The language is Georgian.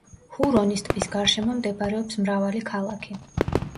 ჰურონის ტბის გარშემო მდებარეობს მრავალი ქალაქი.